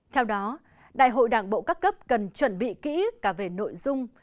theo đó đại hội đảng bộ các cấp cần chuẩn bị kỹ cả về nội dung